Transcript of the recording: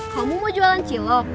kamu mau jualan cilok